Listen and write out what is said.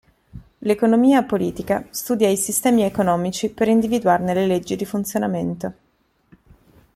L'Economia politica studia i sistemi economici per individuarne le leggi di funzionamento.